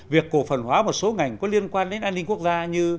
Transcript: việc cổ phần hóa một số ngành có liên quan đến an ninh quốc gia như